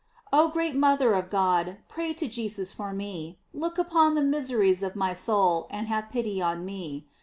Oh great mother of God, pray to Jesus for me. Look upon the miseries of my soul, and have pity on me.